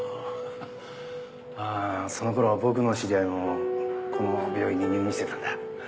あーその頃は僕の知り合いもこの病院に入院してたんだ